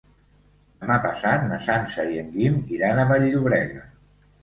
Demà passat na Sança i en Guim iran a Vall-llobrega.